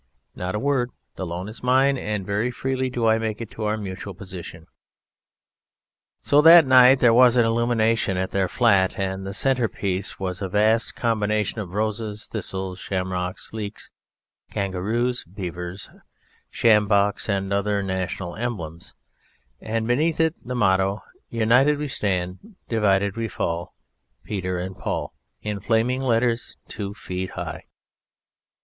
Not a word. The loan is mine and very freely do I make it to our Mutual Position." So that night there was an illumination at their flat, and the centre piece was a vast combination of roses, thistles, shamrocks, leeks, kangaroos, beavers, schamboks, and other national emblems, and beneath it the motto, "United we stand, divided we fall: Peter and Paul," in flaming letters two feet high.